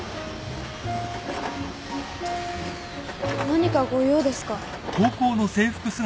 ・何かご用ですか？